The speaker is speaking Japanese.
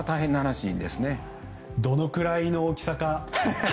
どのくらいの大きさか。